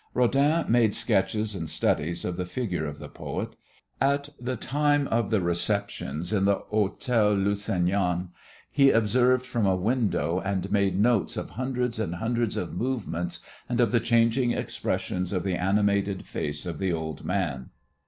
Rodin made sketches and studies of the figure of the poet. At the time of the receptions in the Hotel Lusignan he observed from a window and made notes of hundreds and hundreds of movements and of the changing expressions of the animated face of the old man.